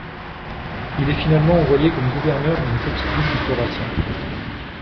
Il est finalement envoyé comme gouverneur d'une petite ville du Khorassan.